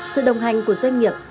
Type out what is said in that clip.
sự đồng hành của doanh nghiệp